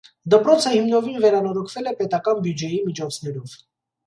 Դպրոցը հիմնովին վերանորոգվել է պետական բյուջեի միջոցներով։